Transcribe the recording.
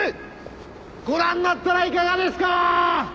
ご覧になったらいかがですかー！？